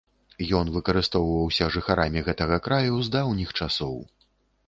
Ён выкарыстоўваўся жыхарамі гэтага краю з даўніх часоў.